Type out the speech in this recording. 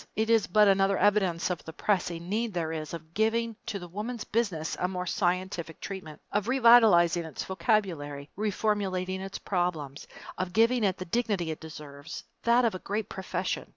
It is but another evidence of the pressing need there is of giving to the Woman's Business a more scientific treatment of revitalizing its vocabulary, reformulating its problems, of giving it the dignity it deserves, that of a great profession.